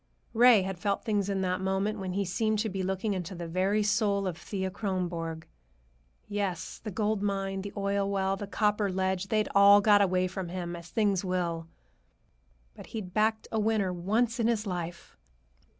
Ray had felt things in that moment when he seemed to be looking into the very soul of Thea Kronborg. Yes, the gold mine, the oil well, the copper ledge, they'd all got away from him, as things will; but he'd backed a winner once in his life!